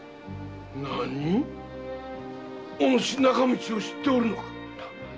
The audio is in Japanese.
なに⁉おぬし仲道を知っておるのか？